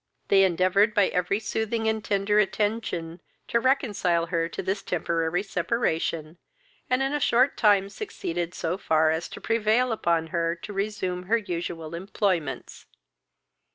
They endeavoured by every soothing and tender attention to reconcile her to this temporary separation, and in a short time succeeded so far as to prevail upon her to resume her usual employments.